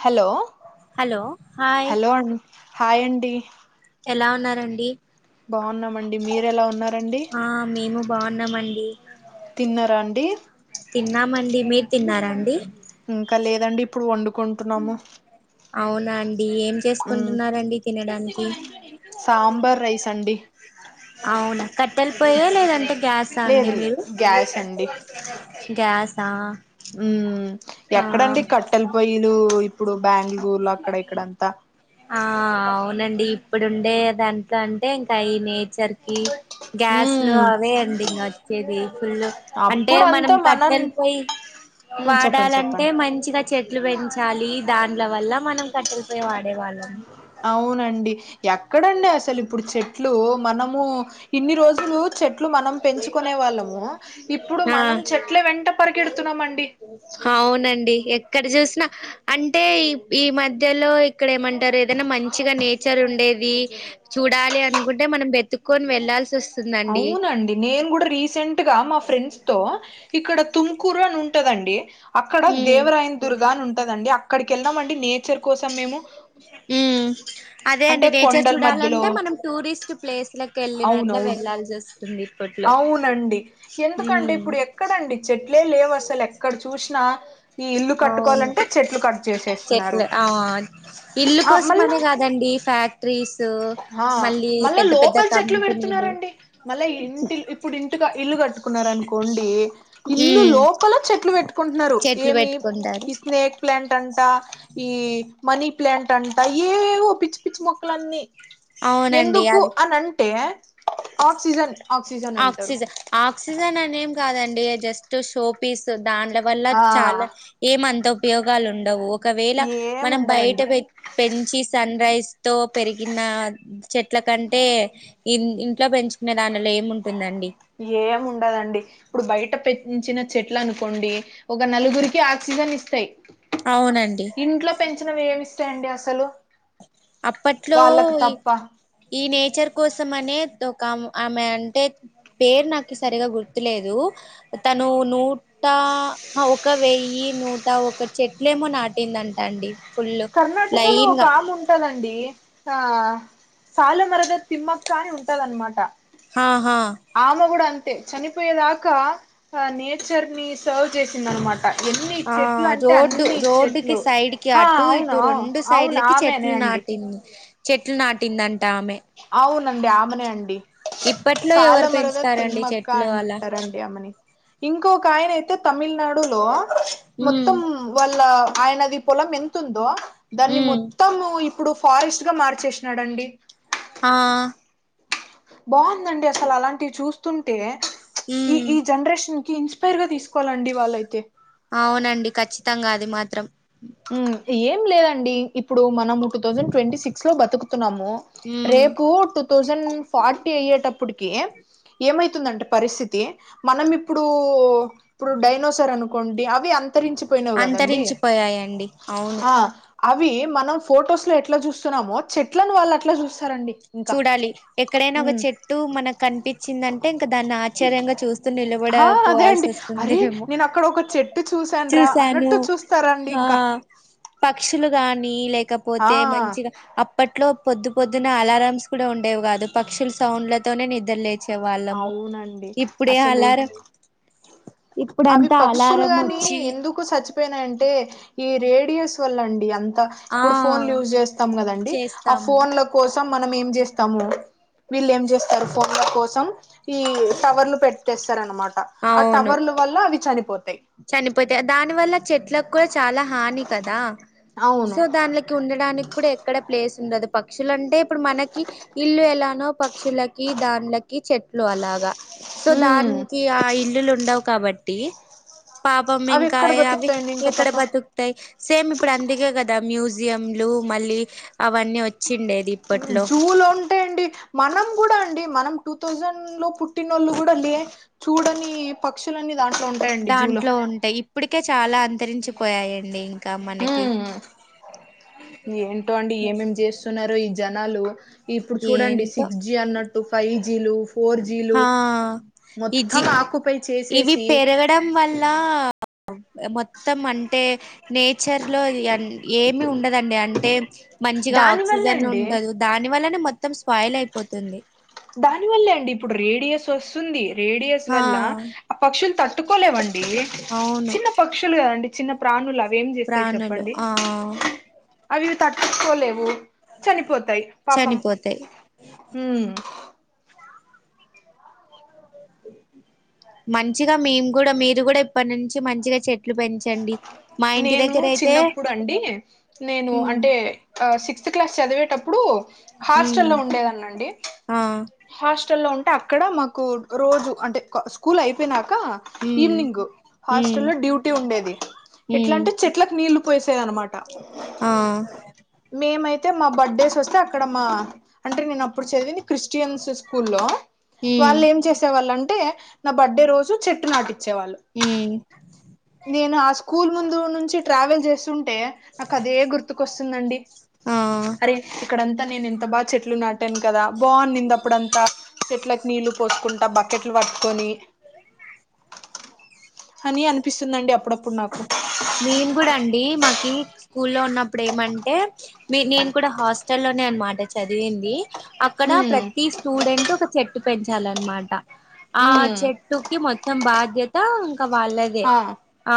Hello hello hi హలోండి hi అండి. ఎలా ఉన్నారండి? బాగున్నామండి. మీరెలా ఉన్నారండి? ఆ మేము బాగున్నామండి. తిన్నరాండి? తిన్నామండి మీరు తిన్నారండి? ఇంకా లేదండి ఇప్పుడు వండుకుంటున్నాము. అవునా అండి. ఏం మ్ చేసుకుంటున్నారండి తినడానికి? సాంబార్ రైస్ అండి. అవునా, కట్టెలి పోయా లేదంటే గ్యాసా అండి లేదు మీరు. లేదు గ్యాస్ అండి గ్యాస్ ఆ మ్ ఎక్కడండి కట్టెల పొయ్యలు ఇప్పుడు బెంగళూరులో అక్కడ ఇక్కడంతా? ఆ అవునండి ఇప్పుడుండేదంటంటే ఇంకా ఈ నేచర్ కి గ్యాస్ లు మ్ అవే అండి ఇగ వచ్చేది ఫుల్లు, అంటే మనం కట్టలి పోయి. మ్ చెప్పండి వాడాలంటే చెప్పండి మంచిగా చెట్లు పెంచాలి డాండ్ల వల్ల మనం కట్టెలిపోయే వాడే వాళ్ళం. అవునండి ఎక్కడండి అసలు. ఇప్పుడు చెట్లు మనము ఇన్ని రోజులు చెట్ చెట్లు మనం పెంచుకునే వాళ్ళము ఇప్పుడు ఆ మనం చెట్ల వెంట పరిగెడుతున్నామండి. అవునండి ఎక్కడ చూసినా అంటే ఈ ఈ మధ్యలో ఇక్కడ ఏమంటారు ఏదైనా మంచిగా నేచర్ ఉండేది. చూడాలి అనుకుంటే మనం వెతుకొని వెళ్లాల్సి వస్తుందండి. అవునండి నేను కూడా రీసెంట్ గా మా ఫ్రెండ్స్ తో ఇక్కడ తుమ్కూరు అని ఉంటాదండి. అక్కడ ఉమ్ దేవరాయన్ దుర్గా అని ఉంటాదండి అక్కడికి వెళ్ళామండి నేచర్ కోసం మేము. మ్ అదే అండి అంటే నేచర్ కొండల మధ్యలో చూడాలంటే మనం టూరిస్ట్ ప్లేస్ లకి వెళ్లినాక అవునవును వెళ్లాల్సి వస్తుంది. ఇప్పట్లో అవునండి ఎందుకంటే ఇప్పుడు ఎక్కడండి చెట్లే లేవు అసలు ఎక్కడ చూసినా ఈ ఇల్లు అవును కట్టుకోవాలంటే చెట్లు కట్ చేసేస్తున్నారు చెట్లు. ఇల్లు ఆ కోసం మళ్ళా అనే కాదండి ఫ్యాక్ట రీస్ ఆ మళ్ళీ మళ్ళా పెద్ద పెద్ద లోపల చెట్లు కంపనీలు. పెడుతున్నారండి మళ్ళా ఇంటి ఇప్పుడు ఇంటిగా ఇల్లు కట్టుకున్నారు అనుకోండి ఇల్లు ఉమ్ లోపల చెట్లు పెట్టుకుంటున్నారు. చెట్లు ఏమి పెట్టుకుంటారు ఇస్మేట్ ప్లాంట్ అంట, ఈ మనీ ప్లాంట్ అంట ఏవో పిచ్చి పిచ్చి మొక్కలన్నీ. అవునండి ఎందుకు అవి అని అంటే ఆక్సిజన్ ఆక్సిజన్ అంటారు ఆక్సిజన్. ఆక్సిజన్ అనేం కాదండి జస్ట్ షో పీస్ డాండ్ల వల్ల ఆ చాలా ఏం అంత ఉపయోగాలు ఉండవు ఒకవేళ ఏం మనం బయట ఉండవండి పెట్టి పెంచి సన్ రైజ తో పెరిగిన చెట్ల కంటే ఇ ఇంట్లో పెంచుకునే దానిలో ఏముంటుందండి? ఏం ఉండదండి. ఇప్పుడు బయట పెంచిన చెట్లు అనుకోండి ఒక నలుగురికి ఆక్సిజన్ ఇస్తాయి. అవునండి ఇంట్లో పెంచినవి ఏమి ఇస్తాయండి అసలు. అప్పట్లో వాళ్ళకి తప్ప ఈ నేచర్ కోసం అనే ఒక ఆమె ఆమె అంటే. పేరు నాకు సరిగా గుర్తులేదు తను నూ ఆ ఒక వెయ్యి నూట ఒక చెట్లేమో నాటిందంట అండి ఫుల్ కర్ణాటక లో లైన్ ఒక గా ఆమె ఉం టదండి హా సాలె మరెదె తిమ్మక్క అని ఉంటదన్మాట హా హ ఆమె కూడా అంతే చనిపోయేదాకా ఆ నేచర్ ని సర్వ్ చేసింద అన్మా ఎన్ని ఆ చెట్లు అంటే రోడ్డు అన్ని రోడ్డుకి చెట్లు సైడ్ కి హా అటు అవునా అవును ఆమెనే అండి టిన్ చెట్లు నాటిందంట ఆమె అవునండి ఆమెనే అండి ఇప్పట్లో ఎవరు సాలె మరెదె పెంచుతారండి తిమ్మక్క చెట్లు అలా అంటారడి ఆమెని ఇంకొక ఆయన అయితే తమిళ్నాడులో ఉమ్ మొత్తం వాళ్ళ ఆయనది పొలం ఎంతుందో దాన్ని ఉమ్ మొత్తము ఇప్పుడు ఫారెస్ట్ గా మార్చేష్నాడండి. ఆ బాగుందండి అసలు అలాంటివి చూస్తుంటే ప్చ్ ఈ ఉమ్ ఈ జనరేషన్ కి ఇన్స్ పేర్గా తీసుకోవాలండి వాళ్ళైతే అవునండి ఖచ్చితంగా అది మాత్రం ఏం లేదండి ఇప్పుడు మనం టూ థౌజండ్ ట్వంటీ సిక్స్ లో బతుక్ న్నాము ఉమ్ రేకు టూ థౌసండ్ ఫార్టీ అయ్యేటప్పుటికి ఏమైతుందంటే పరిస్థితి మనం ఇప్పుడు ఇప్పుడు డైనోసర్ అనుకోండి అవి అంత్ అంతరించిపోయాయండి అవ్ ఆ అవి మనం ఫొటోస్ లో ఎట్లా చూస్సన్నామో చెట్లను వాళ్ళు అట్లా చూస్సారండి చూడాలి ఎక్కడైనా ఒక చెట్టు మనకు కనిపిచ్చిందంటే ఇంకా దాన్ని ఆశ్చర్యంగా చూస్ హా అదే అండి అరేయ్ నేను అక్కడ ఒక చెట్టు చూశాన్రా చూసాను అన్నట్టు చూస్ స్తారాండి ఆ ఇంకా పక్షులు గాని ఆ లేకపోతే మంచిగా అప్పట్లో పొద్దు పొద్దున అలారం స్ కూడా ఉండేవి కాదు పక్షుల సౌండ్లతోనే నిద్ర లేచి వాళ్ళము అవునండి ఇప్పుడే అసలు అలార ఇప్పుడంతా అలారం వచ్చి కు సచ్చిపోయినాయంటే ఈ రేడియోస్ వల్ల అండి అంత్ ఆ ఇప్పుడు ఫోన్లు యూస్ చేస్తాం కదండీ ఆ చేస్తాము ఫోన్లో కోసం మనం ఏం జేస్తాము వీళ్ళు ఏం జేస్తారు ఫోన్ల కోసం ఈ టవర్లు పెట్టేస్తరనమాట ఆ టవర్లు వల్ల అవి చనిపోతాయ్ చనిపోతాయ్ దాని వల్ల చెట్లకు కూడా చాలా హాని కదా? అవును సో దాన్లకి ఉండడానికి కూడా ఎట్ ఎక్కడ ప్లేస్ ఉండదు పక్షులంటే ఇప్పుడు మనకి ఇల్లు ఎలానో పక్షుల ఈ దాన్లకి చెట్లు అలాగా సో ఉమ్ దాన్కి ఆ ఇల్లులు ఉండవు కాబట్టి పాపం అవి ఇంకా ఎక్కడ అవి బతుకుతాయండి ఇంకా ఎక్కడ పాపం బతుక్ ంటాయ్ సేమ్ ఇప్పుడు అందుకే కదా మ్యూజియంలు మళ్ళీ అవన్నీ వచ్ ఉమ్ జూలో ఉంటాయండి మనం కూడా అండి మనం టూ థౌజండ్ లో పుట్టినోళ్ళు కూడా లే చూడని పక్షులన్నీ దాంట్లో ఉంట్ దాంట్లో ఉంటాయి ఇప్పుడికే చాలా అంతరించిపోయాయండి ఇంకా మనకి హ్ము్ ఏంటో అండి ఏమేమి చేస్తున్నారో ఈ జనాలు ఇప్పుడు చూడండి ఏంటో సిక్స్ జి అన్నట్టు ఫైవ్ జీ లు ఫోర్ జీలు హా మొత్తం ఇజి ఆక్యుపై ఇవి చేసేసి పెరగడం వల్ల మొత్తం అంటే నేచర్ లో ఏమి ఉండదండి అంటే మంచిగా దాని వల్లే ఆక్సిజన్ అండి ఉండదు దాని వల్లనే మొత్తం స్పాయిల్ అయిపోతుంది దాని వల్లే అండి ఇప్పుడు రేడియస్ వస్తుంది రేడియస్ ఆ వల్ల పక్షులు తట్టుకోలేవండి అవును చిన్న పక్షులు కదండి చిన్న ప్రాణులు అవి ఏం చేస్తాయి ప్రాణులు చెప్పండి ఆ అవి తట్టుకోలేవు చనిపోతాయి పాపం చనిపోతాయి ఉమ్ మంచిగా మేము కూడా మీరు కూడా ఇప్పటి నుంచి మంచిగా చెట్ చెట్లు పెంచండి మా ఇంటి నేను దగ్గర అయితే చిన్నప్పుడు ఆ సిక్స్త్ క్లాస్ చదివేటప్పుడు హాస్టల్ లో ఉమ్ ఉండేదనండి ఆ హాస్టల్ల్లో ఉంటే అక్కడ మాకు రోజు అంటే స్కూల్ అయిపోయినాక ఉమ్ ఈవినింగ్ ఉమ్ హాస్టలో డ్యూటీ ఉండేది ఎట్ల ఉమ్ అంటే చెట్లకు నీళ్లు పోసేది అనమాట ఆ మేమైతే మా బర్త్డేస్ వస్తే అక్కడ మా అంటే నేను అప్పుడు చదివింది క్రిస్టియన్స్ స్కూల్లో ఉమ్ వాళ్ళు ఏం చేసే వాళ్ళంటే నా బర్త్డే రోజు చెట్టు నాటిచ్చే వాళ్ళు ఊ నేను ఆ స్కూల్ ముందు నుంచి ట్రావెల్ చేస్తుంటే నాకు అదే గుర్తుకొస్తుందండి ఆ అరే ఇక్కడంతా నేను ఎంత బాగా చెట్లు నాటాను కదా బాగుంనింది అప్పుడంతా చెట్లకి నీళ్ళలు పోసుకుంటా బక్ కెట్లు పట్టుకొని అని అనిపిస్ స్తుందండి అప్పుడప్పుడు నాకు మేము గుడా అండి మాకి స్కూలో ఉన్నప్పుడు ఏమంటే మీ నేను కూడా హాస్టల్ లోనే అనమాట చదివింది అ అక్కడ ఉమ్ ప్రతి స్టూడెంట్ ఒక చెట్టు పెంచాలన్నమాట ఆ ఉమ్ చెట్ చెట్టుకి మొత్తం బాధ్యత ఇంకా వాళ్ళ ఆ ఆ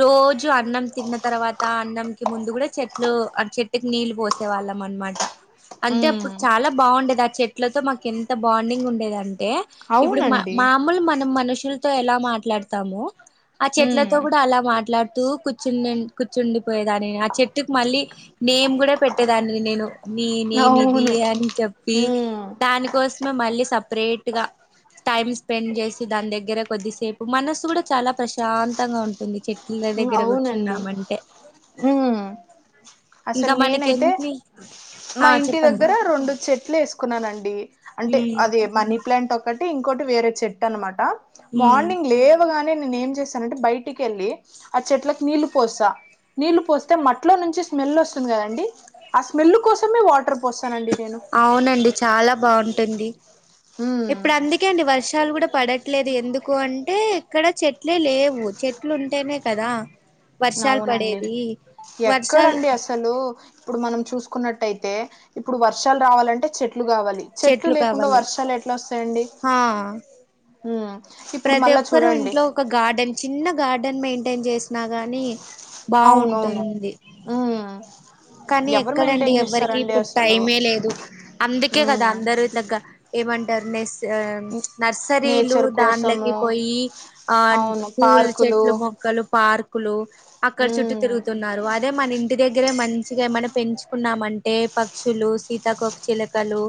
రోజు అన్నం తిన్న తర్వాత అన్నం కి ముందు కూడా చెట్లు చెట్టుకి నీళ్ళు పోస్ సే వాళ్ళం అనమాట అంటే ఉమ్ అప్పుడు చాలా బాగుండేది ఆ చెట్లతో మాకు ఎంత బాండింగ్ ఉండేదంటె ఇప్పుడు మా అవునండి మామూలు మనం మనుషులతో ఎలా మాట్లాడతాము ఆ ఉమ్ చెట్లతో కూడా అలా మాట్లాడుతూ కు కూర్చునున్ కూర్చుండిపోయేదాన్ని ఆ చెట్టుకు మళ్ళీ నేమ్ కూడా పెట్టేదాన్ని నేను నేనేమి ఇది అవును అని చెప్పి ఉమ్ దాని కోసమే మళ్ళీ సపరేట్గా టైమ్ స్పెండ్ చేసి దాని దగ్గర కొద్దిసేపు మనసు కూడా చాలా ప్రశాంతంగా ఉంటుం టుంది చెట్ల దగ్గర అవునండి కూర్చున్నామంటే ఇంకా అస్సలు మనకి నేనైతే ఎన్ని ఆ మా ఇంటి చెప్పండి దగ్గర రొండు చెట్లు వేస్ కున్నానండి అంటే ఉమ్ అది మనీ ప్లాంట్ ఒకటి ఇంకోటి వేరే చెట్టు అన్నమాట ఉమ్ మార్నింగ్ లేవగానే నేను ఏం చేస్తానంటే బయటికెళ్ళి ఆ చెట్లకి నీళ్లు పోస్త నీళ్లు పోస్తే మట్లో నుంచి స్మెల్ వస్తుంది కదండి ఆ స్మెల్ కోసమే వాటర్ పోస్తానండి నేను అవునండి చాలా బాగుంటుంది ఉమ్ ఇప్పుడు అంది కే అండి వర్షాలు కూడా పడట్లేదు ఎందుకూ అంటే ఇక్కడ చెట్లే లేవు చెట్లు ఉంటేనే కదా వర్షాల్ పడేదీ వర్షాల్ తలో ఇప్పుడు మనం చూసుకున్నట్టయితే ఇప్పుడు వర్షాలు రావాలంటే చెట్ ట్లు కావాలి చెట్లు లేకుండ వర్షాలు ఎట్లొస్సాయండి హా ఇంగా ఇప్పుడు ప్రతి మళ్ళా ఒక్కరూ చూడండ్ ఇంట్లో ఒక గార్డెన్ చిన్న గార్డెన్ మెయింటైన్ చేసినా గానీ అవునవును బావుంటుంది. ఉమ్ కానీ ఎవరు ఎక్కడండి మెయింటైన్ ఎవ్వరికి చేస్తారండి ఇప్పుడు అసలు టైమే లేదు అందుకే కదా ఉమ్ అందరు ఎరువు తగ్గా ఏమంటారు నెస్సు ఆ నర్సరీలూ నేచర్ దాన్లకి కోసము పొయ్యి ఆన్ అవును పూలు పార్కులు చెట్లు మొక్కలు పార్కులూ అక్కడ చుట్టూ ఉమ్ తిరుగుతున్నారు వాట్ దే మన ఇంటి దగ్గరే మంచిగా ఏమన్న పెంచుకున్నామంటే పక్షులూ సీతాకోకచిలక కలూ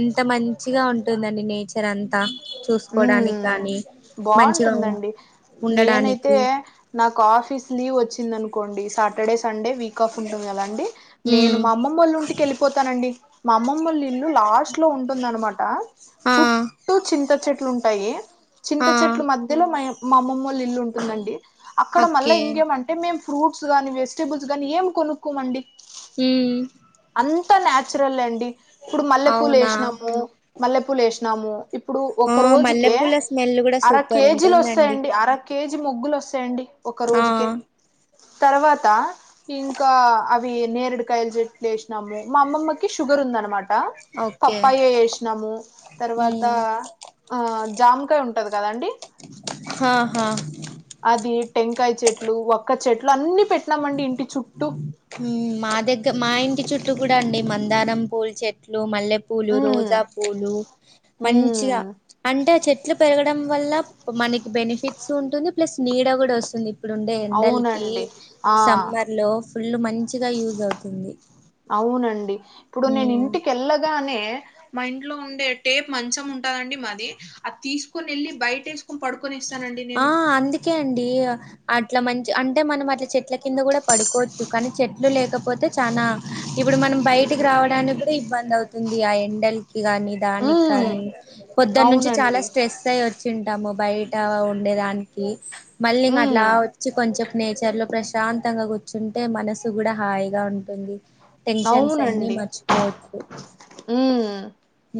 ఎంత మంచిగా ఉంటుందండి నేచర్ అంతా చూసుకోడానికి ఉమ్ కానీ మంచిగా బాగుంటుందండి నేనైతే ఉండడానికీ నాకు ఆఫీస్ లీవ్ వచ్చిందనుకోండి సాటర్డే సండే వీక్ కఫ్ ఉంటుంది కదా అండి నేను ఉమ్ మా అమ్మమ్మళ్ళుంటికి వెళ్ళిపోతానండి మా అమ్మమ్మోలిల్లు లాస్ట్ లో ఉంటుందనమాట ఆ చుట్టూ చింత చెట్టు ట్లు ఉంటాయి చింత ఆ చెట్లు మధ్యలో మాయవ్ మా అమ్మమ్మోలిల్లు ఉంటుందండీ అక్కడ మళ్ళ ఓకే ఇంకేమం టే మేము ఫ్రూట్స్ గానీ వెజిటేబుల్స్ గానీ ఏం కొనుక్కోమండి ఉ అంతా నాచురల్ అండీ ఇప్పుడు మల్లెపూలు అవునా ఏషినామూ మల్లెపూలు వేసినామూ ఇప్పుడు ఆ ఒక రోజుకే మల్లెపూల స్మెల్ కూడా అర సూపర్ కేజీలు ఉంటుందండి వస్తాయండి అర కేజీ మొగ్గులు వస్తాయండి ఒక ఆ రోజుకే తర్వాతా ఇంకా అవీ నేరుడుకాయలు చెట్లు వేసినాము మా అమ్మమ్మకి షుగర్ ఉందనమాట టా ఓకే పప్పాయ వేసినామూ తర్వాతా ఆ జామకాయ ఉంటది కదండీ హాహా అదీ టెంకాయ చెట్లు వక్క చెట్లు అన్ని పెట్టినామండి ఇంటి చుట్టూ మ్ మా దెగ్గ మా ఇంటి చుట్టూ కూడా అండి మందారం పూల్ చెట్ ట్లు మల్లె పూలు ఉమ్ రోజా పూలు మంచిగా ఉమ్ అంటే చెట్ ట్లు పెరగడం వల్లా మనికి బెనిఫిట్సు ఉంటుంది ప్లస్ నీడ కూడా వస్తుంది ఇప్పుడు ఉండే ఎండల్కీ అవునండి ఆ సమ్మర్ లో ఫుల్ మంచిగా యూజ్ అవుతుంది అవునండి ఇప్పుడు నేను ఇంటికి ఎళ్లగానే మా ఇంట్లో ఉండే టేప్ మంచం ఉంటాదండి మాది అది తీసుకోన్ ఎళ్ళి బయటేస్ ఆ అందుకే అండీ అట్ల మంచి అంటే మనం అట్ల చెట్ల కింద కూడా పడుకోచ్చు కానీ చెట్లు లేకపోతే చానా ఇప్పుడు మనం బయటికి రావడానికి కూడా ఇబ్బంది అవుతుంది ఆ ఎండల్కి గాని దానికి మ్మ్ కానీ పొద్దట్నుంచి చాలా అవునండి స్ట్రెస్ అయ్ వచ్చింటాము బయట టా ఉండేదానికీ మళ్ళీ ఇంకా మ్మ్ అట్లా వచ్చి కొంచేప్ నేచర్ లో ప్రశాంతంగా కూర్చుంటే మనసు కూడా హాయిగా ఉంటుంది. టెన్షన్స్ అన్నీ మర్చిపోవచ్చు ఊ ఉ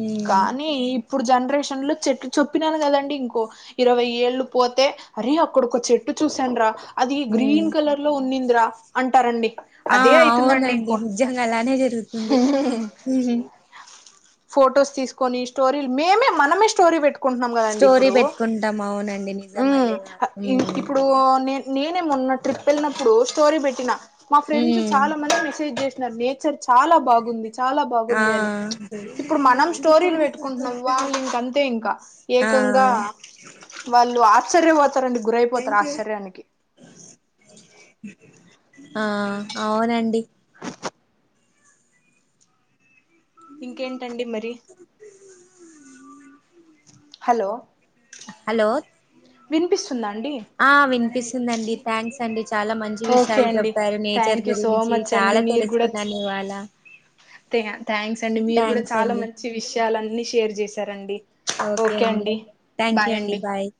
ఉమ్ కానీ ఇప్ ఇప్పుడు జన్రేషన్ లో చెట్లు చొప్పినాను కదండి ఇంకో. ఇరవై ఏళ్ళు పోతే అరే అక్కడ ఒక చెట్టు చూసానురా అది ఉమ్ గ్రీన్ కలర్ లో ఉన్నిందిరా అంటారండి ఆ అదే అయితుందండి అవునండి ఇంకో నిజంగా అలానే జరుగుతుంది ఫొటోస్ తీసుకొని స్టోరీలు మేమే మనమే స్టోరీ పెట్టుకుని పెట్టుకుంటున్నాం కదండి స్టోరీ ఇప్పుడు పెట్టుకుంటాం అవునండి నిజం అదే ఉమ్ ఇప్పుడు నేను నేనే మొన్న ట్రిప్ వెళ్ళినప్పుడు స్టోరీ పెట్టినా మా ఫ్రెండ్స్ ఉమ్ చాలా మంది మెసేజ్ చేసినారు నేచర్ చాలా బాగుంది చాలా బాగుంది అని అంతే ఇప్పుడు మనం స్టోరీలు పెట్టుకుంటున్నాం వాళ్ళు ఇంక అంతే ఇంకా ఆ ఏకంగా వాళ్లు ఆశ్చర్యపోతారండి గురయిపోతారు ఆశ్చర్యానికి ఆ అవునండి ఇంకేంటండి మరి హలో హలో వినిపిస్తుందా అండి ఆ వినిపిస్తుందిండి థ్యాంక్స్ అండి చాలా మంచిగా మంచి ఓకే విషయాలు అండి చెప్పారు నేచర్ థ్యాంక్ యూ సో గురించి మచ్ అండి చాలా తెలుసుకున్నాను ఇవాళ అంతే థ్యాంక్స్ అండి మీరు కూడా థ్యాంక్స్ చాలా అండి మంచి విషయాలన్ని షేర్ చేశారండి ఓకే అండి థ్యాంక్ యూ బాయ్ అండి బాయ్